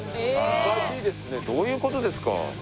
おかしいですねどういう事ですか。